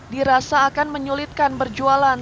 dirasa akan menyulitkan penjualan